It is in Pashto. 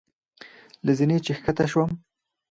له زینې چې ښکته شوم.